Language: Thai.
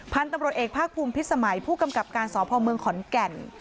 พันธุ์ตำรวจเอกภาคภูมิพิสมัยผู้กำกับการสพเมืองขอนแก่น